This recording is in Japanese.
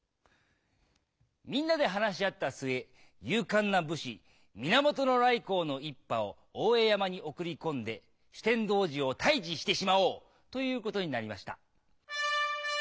みんなで話し合った末勇敢な武士源頼光の一派を大江山に送り込んで酒呑童子を退治してしまおうということになりました。